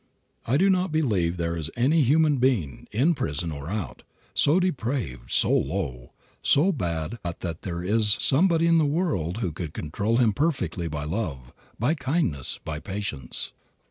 I do not believe there is any human being, in prison or out, so depraved, so low, so bad but that there is somebody in the world who could control him perfectly by love, by kindness, by patience.